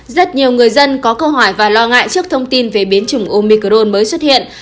rất nhiều người dân có câu hỏi và lo ngại trước thông tin về biến chủng omicrone mới xuất hiện